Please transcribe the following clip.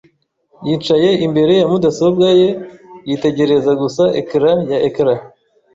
yicaye imbere ya mudasobwa ye yitegereza gusa ecran ya ecran.